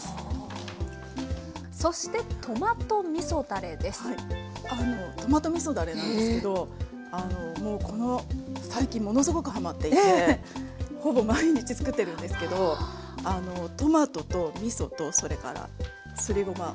そしてトマトみそだれなんですけど最近ものすごくはまっていてほぼ毎日作ってるんですけどトマトとみそとそれからすりごま